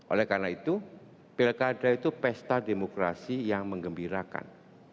oleh karena itu pilkada itu pesta demokrasi yang mengembirakan